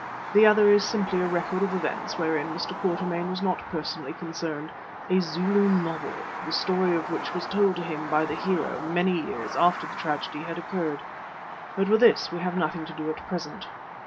The other is simply a record of events wherein Mr. Quatermain was not personally concerned—a Zulu novel, the story of which was told to him by the hero many years after the tragedy had occurred. But with this we have nothing to do at present.